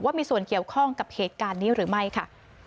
ว่ามีส่วนเกี่ยวข้องกับเหตุการณ์นี้หรือไม่ค่ะ